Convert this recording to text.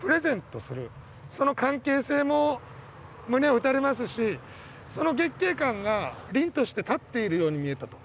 その関係性も胸を打たれますしその月桂冠が凛として立っているように見えたと。